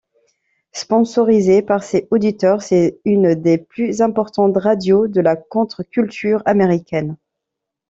Sponsorisée par ses auditeurs, c'est une des plus importantes radios de la contre-culture américaine.